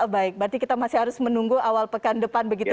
baik berarti kita masih harus menunggu awal pekan depan begitu ya